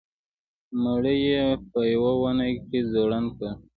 مړی یې په یوه ونه کې ځوړند کړ.